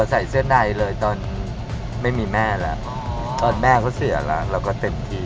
ใส่เสื้อในเลยตอนไม่มีแม่แล้วตอนแม่เขาเสียแล้วเราก็เต็มที่